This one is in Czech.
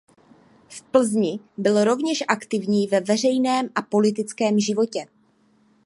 V Plzni byl rovněž aktivní ve veřejném a politickém životě.